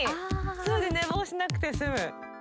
それで寝坊しなくて済む。